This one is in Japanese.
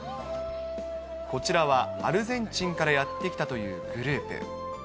こちらはアルゼンチンからやって来たというグループ。